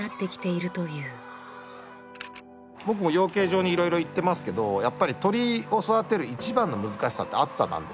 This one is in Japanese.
僕も養鶏場に色々行ってますけどやっぱり鶏を育てる一番の難しさって暑さなんですって。